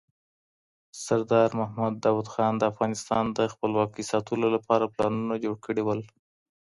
سردار محمد داود خان د افغانستان د خپلواکۍ ساتلو لپاره پلانونه جوړ کړي وو.